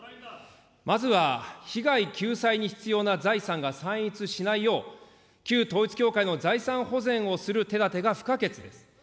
まずは、被害救済に必要な財産が散逸しないよう、旧統一教会の財産保全をする手だてが不可欠です。